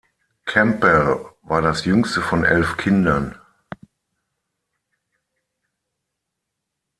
Campbell war das jüngste von elf Kindern.